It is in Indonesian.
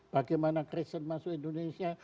bagaimana kristen masuk indonesia